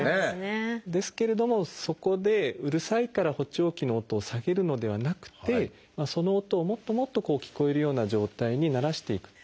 ですけれどもそこでうるさいから補聴器の音を下げるのではなくてその音をもっともっと聞こえるような状態に慣らしていく。